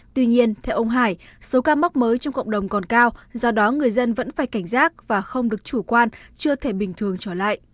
tuy nhiên theo ông hải số ca mắc mới trong cộng đồng còn cao do đó người dân vẫn phải cảnh giác và không được chủ quan chưa thể bình thường trở lại